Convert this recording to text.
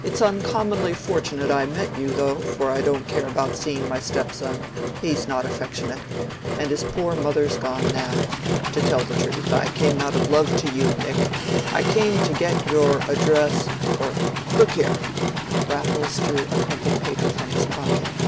It's uncommonly fortunate I met you, though; for I don't care about seeing my stepson: he's not affectionate, and his poor mother's gone now. To tell the truth, I came out of love to you, Nick: I came to get your address, for—look here!" Raffles drew a crumpled paper from his pocket.